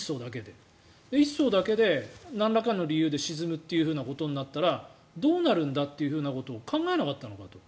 １艘だけでなんらかの理由で沈むということになったらどうなるんだというふうなことを考えなかったのかと。